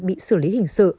bị xử lý hình sự